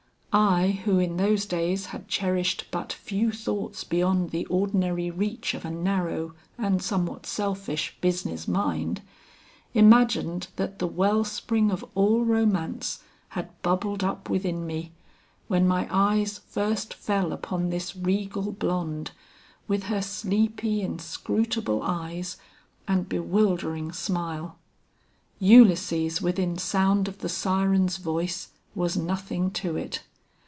I, who in those days had cherished but few thoughts beyond the ordinary reach of a narrow and somewhat selfish business mind, imagined that the well spring of all romance had bubbled up within me, when my eyes first fell upon this regal blonde, with her sleepy, inscrutable eyes and bewildering smile. Ulysses within sound of the siren's voice, was nothing to it.